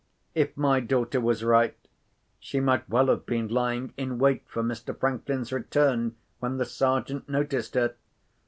If my daughter was right, she might well have been lying in wait for Mr. Franklin's return when the Sergeant noticed her.